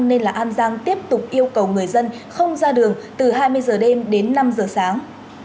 nên là an giang tiếp tục yêu cầu người dân không ra đường từ hai mươi giờ đêm đến năm giờ sáng